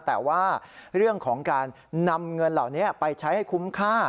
แต่ว่าเรื่องของการนำเงินเหล่านี้ไปใช้ให้คุ้มค่า